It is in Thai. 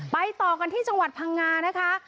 ต่อกันที่จังหวัดพังงานะคะ